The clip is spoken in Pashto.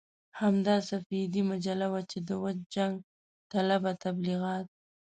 همدا سپېدې مجله وه چې د وچ جنګ طلبه تبليغات.